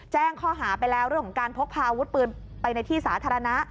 แจ้งข้อหาไปแล้วเรื่องของการพกพาอาวุธปืนไปในที่สาธารณะ